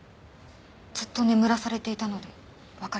ずっと眠らされていたのでわかりません。